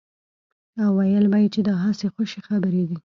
او ويل به يې چې دا هسې خوشې خبرې دي.